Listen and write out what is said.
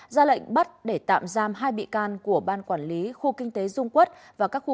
ra lệnh bắt để tạm giam hai bị can của ban quản lý khu kinh tế dung quốc và các khu